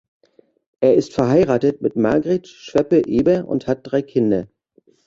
Er ist verheiratet mit Margret Schweppe-Ebber und hat drei Kinder.